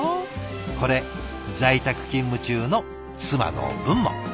これ在宅勤務中の妻の分も。